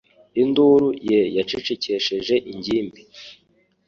Induru ye yacecekesheje ingimbi.